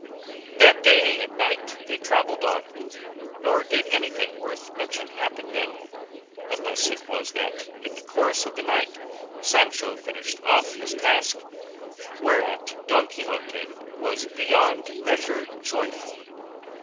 That day and night they travelled on, nor did anything worth mention happen to them, unless it was that in the course of the night Sancho finished off his task, whereat Don Quixote was beyond measure joyful.